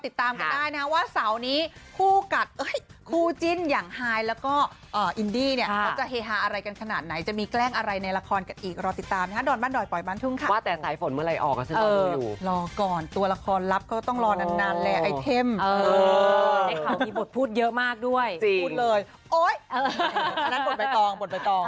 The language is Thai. แต่ถ้าใครสงสัยเนี่ยจะได้รู้แน่นอนนะครับ